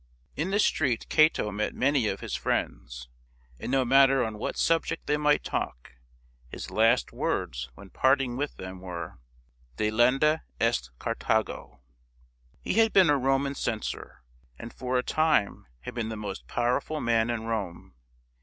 In the street Cato met many of his friends ; and no matter on what subject they might talk, his last words when parting with them were, " Delenda est Carthago !" He had been a Roman censor, and for a time had been the most powerful man in Rome.